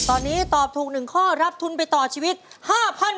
ตอนนี้ตอบถูก๑ข้อรับทุนไปต่อชีวิต๕๐๐๐บาท